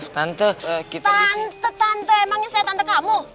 tante tante emangnya saya tante kamu